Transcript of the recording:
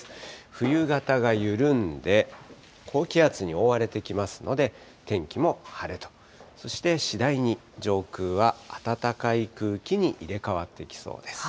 冬型が緩んで、高気圧に覆われてきますので、天気も晴れと、そして次第に上空は暖かい空気に入れ代わってきそうです。